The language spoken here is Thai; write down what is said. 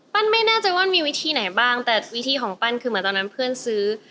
ไม่แน่ใจว่ามีวิธีไหนบ้างแต่วิธีของปั้นคือเหมือนตอนนั้นเพื่อนซื้อ